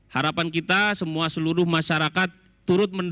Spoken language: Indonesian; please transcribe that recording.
harapan kita semua seluruh masyarakat turut mendukung